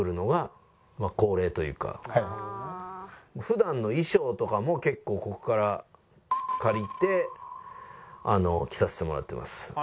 普段の衣装とかも結構ここから借りて着させてもらってます。